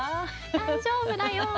「大丈夫だよ」。